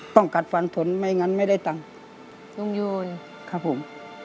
กัดฟันฝนไม่งั้นไม่ได้ตังค์ลุงโยยครับผม